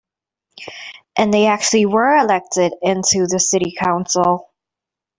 And they actually were elected into the city council.